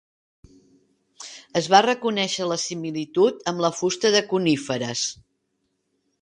Es va reconèixer la similitud amb la fusta de coníferes.